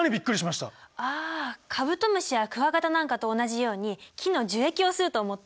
ああカブトムシやクワガタなんかと同じように木の樹液を吸うと思った？